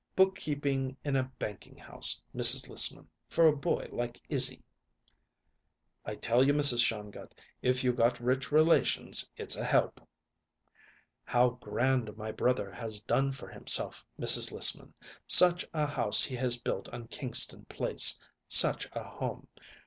Bookkeeping in a banking house, Mrs. Lissman, for a boy like Izzy!" "I tell you, Mrs. Shongut, if you got rich relations it's a help." "How grand my brother has done for himself, Mrs. Lissman! Such a house he has built on Kingston Place! Such a home!